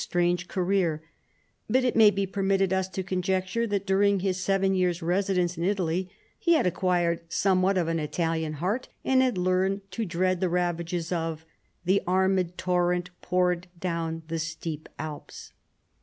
strange career : but it may be permitted us to con jecture that during his seven years' residence in Italy he had acquired somewhat of an Italian heart and had learnt to dread the ravages of " the armed tori'ent poured Down the steep Alps."